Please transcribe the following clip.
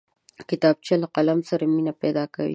کتابچه له قلم سره مینه پیدا کوي